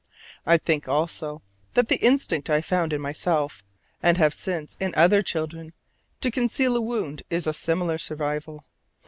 I think, also, that the instinct I found in myself, and have since in other children, to conceal a wound is a similar survival.